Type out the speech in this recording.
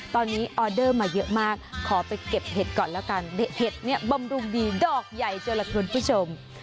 ตอนนี้ออเดอร์มาเยอะมากขอไปเก็บเห็ดก่อนแล้วกันเห็ดเนี่ยบำรุงดีดอกใหญ่เจอล่ะคุณผู้ชม